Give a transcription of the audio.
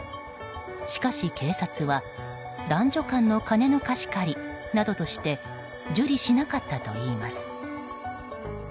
しかし、警察は男女間の金の貸し借りなどとして受理しなかったといいます。